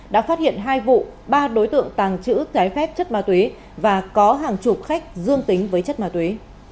đã phát hiện hai vụ ba đối tượng tàng trữ trái phép chất ma túy và có hàng chục khách dương tính với chất ma túy